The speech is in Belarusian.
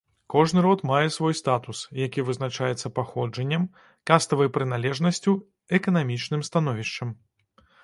Кожны род мае свой статус, які вызначаецца паходжаннем, каставай прыналежнасцю, эканамічным становішчам.